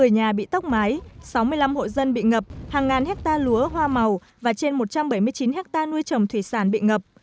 hai trăm một mươi nhà bị tóc mái sáu mươi năm hội dân bị ngập hàng ngàn hecta lúa hoa màu và trên một trăm bảy mươi chín hecta nuôi trồng thủy sản bị ngập